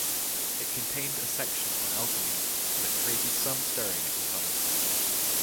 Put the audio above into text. It contained a section on alchemy that created some stirring at the time.